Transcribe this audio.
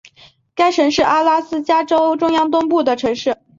该城市是阿拉斯加州中央东部的城市。